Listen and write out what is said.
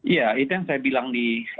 iya itu yang saya bilang di